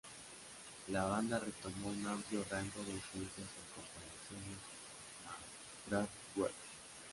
La banda retomó un amplio rango de influencias en comparación a Kraftwerk.